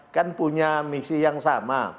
kan punya misi yang sama